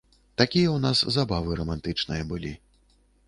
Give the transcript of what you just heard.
Такія ў нас забавы рамантычныя былі.